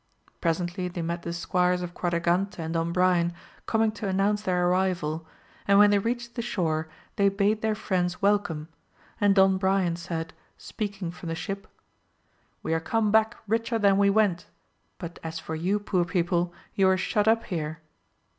Presently they met the squires of Quadragante and Don Brian coming to announce their arrival and when they reached the shore they bade their Mends wel come, and Don Brian said, speaking from the ship^ We are come back richer than we went, but as for you poor people, you are shut up here